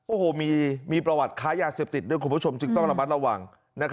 โอ้โหมีประวัติค้ายาเสพติดด้วยคุณผู้ชมจึงต้องระมัดระวัง